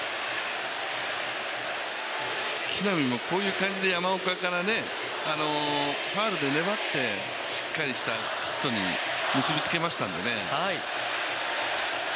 木浪もこういう感じで、山岡からファウルで粘ってしっかりしたヒットに結びつけましたのでね。